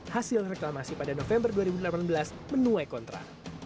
hasil reklamasi pada november dua ribu delapan belas menuai kontra